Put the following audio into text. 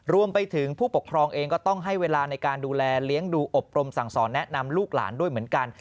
รวมไปถึงผู้ปกครองเองก็ต้องให้เวลาในการดูแลเลี้ยงดูอบรมสั่งสอนแนะนำลูกหลานด้วยเหมือนกัน